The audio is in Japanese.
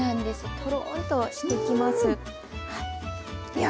とろりとしてきます。